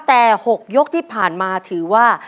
แต่๖ยกที่ผ่านมาถือว่า